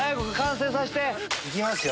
いきますよ！